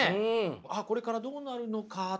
「これからどうなるのか」とかね